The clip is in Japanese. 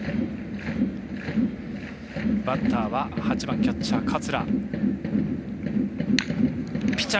バッターは８番キャッチャー桂。